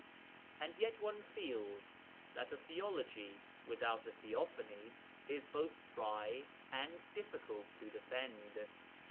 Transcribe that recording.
And yet one feels that a theology without a theophany is both dry and difficult to defend.